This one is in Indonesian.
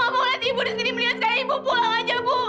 lia ngomong nanti ibu di sini meniak sekarang ibu pulang aja bu